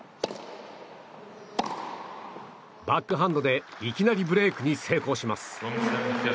バックハンドでいきなりブレークに成功します。